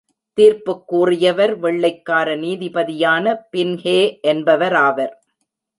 தீர்ப்புக் கூறியவர் வெள்ளைக்கார நீதிபதியான பின்ஹே என்பவராவார்.